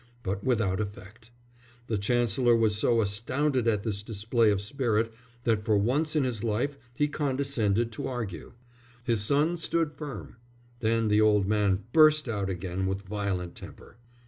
But without effect. The Chancellor was so astounded at this display of spirit that for once in his life he condescended to argue. His son stood firm. Then the old man burst out again with violent temper.